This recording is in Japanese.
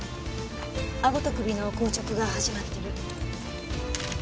顎と首の硬直が始まってる。